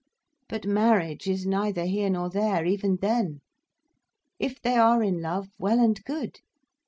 But marriage is neither here nor there, even then. If they are in love, well and good.